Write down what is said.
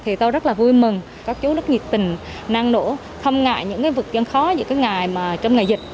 thì tôi rất là vui mừng các chú rất nhiệt tình năng nổ không ngại những vực gian khó như cái ngày trong ngày dịch